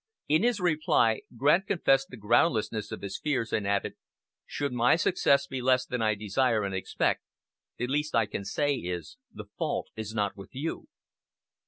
In his reply Grant confessed the groundlessness of his fears, and added, "Should my success be less than I desire and expect, the least I can say is, the fault is not with you."